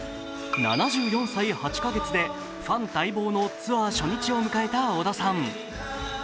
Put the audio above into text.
７４歳８カ月でファン待望のツアー初日を迎えた小田さん。